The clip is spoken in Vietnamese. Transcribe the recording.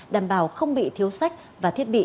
đảm bảo không bị thiếu sách và thiết bị